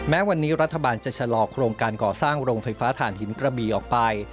แม้วันนี้รัฐบาลจะชะลอโครงการก่อสร้างโรงไฟฟ้าฐานหินกระบีออกไป